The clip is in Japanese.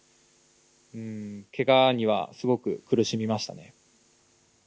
けがにはすごく苦しみましたね。